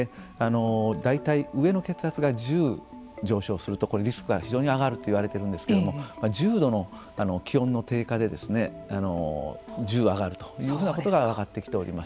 上の血圧が大体１０上昇するとリスクが非常に上がると言われているんですけど１０度の気温の低下で１０上がるというふうなことが分かってきております。